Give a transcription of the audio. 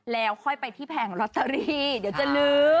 แล้วค่อยไปที่แผงลอตเตอรี่เดี๋ยวจะลื้อ